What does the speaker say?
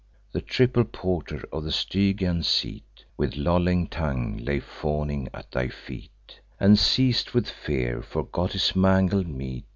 The triple porter of the Stygian seat, With lolling tongue, lay fawning at thy feet, And, seiz'd with fear, forgot his mangled meat.